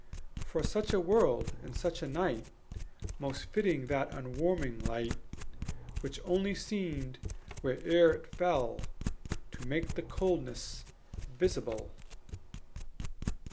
For such a world and such a night Most fitting that unwarming light, Which only seemed where'er it fell To make the coldness visible.